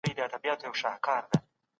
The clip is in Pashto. زور زياتی د منلو وړ نه دی.